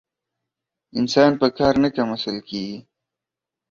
انسان په کار نه کم اصل کېږي.